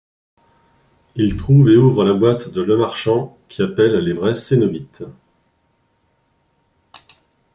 Il trouve et ouvre la boîte de Lemarchant, qui appelle les vrais cénobites.